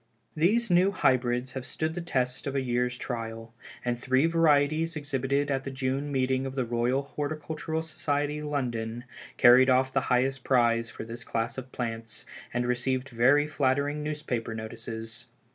These new Hybrids have stood the test of a year's trial, and three varieties exhibited at the June meeting of the Royal Horticultural Society, London, carried off the highest prize for this class of plants, and received very flattering newspaper notices.